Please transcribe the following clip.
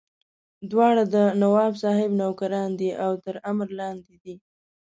دواړه د نواب صاحب نوکران دي او تر امر لاندې دي.